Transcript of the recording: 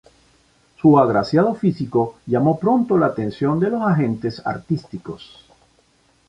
Su agraciado físico llamó pronto la atención de los agentes artísticos.